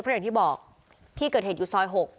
เพราะอย่างที่บอกที่เกิดเหตุอยู่ซอย๖